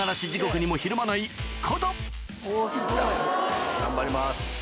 岡田頑張ります。